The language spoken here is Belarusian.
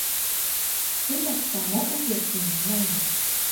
Ты таксама упершыню на ім.